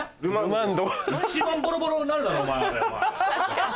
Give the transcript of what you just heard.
一番ボロボロになるだろお前あれなぁ？